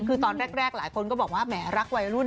คือตอนแรกหลายคนก็บอกว่าแหมรักวัยรุ่น